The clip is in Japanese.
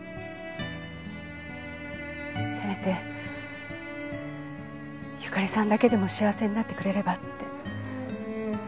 せめて由香利さんだけでも幸せになってくれればって。